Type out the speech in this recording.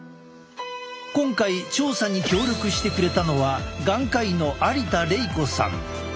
今回調査に協力してくれたのは眼科医の有田玲子さん。